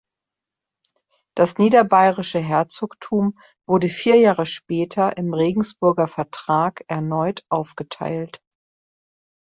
Das niederbayerische Herzogtum wurde vier Jahre später im Regensburger Vertrag erneut aufgeteilt.